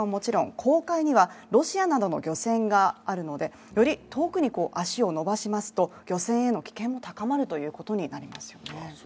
公海にはロシアなどの漁船があるので、より遠くに足を伸ばしますと、漁船への危険も高まるということになります。